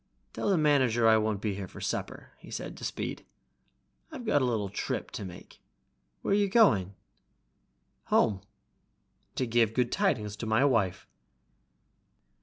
"Tell the manager I won't be here for supper," he said to Speed. "I've got a little trip to make." "Where are you going?" "Home, to give the good tidings to my wife."